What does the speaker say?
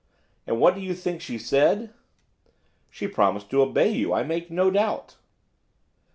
And what do you think she said?' 'She promised to obey you, I make no doubt.